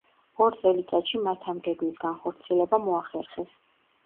ორ წელიწადში მათ ამ გეგმის განხორციელება მოახერხეს.